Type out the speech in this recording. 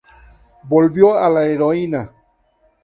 Volvió a la heroína.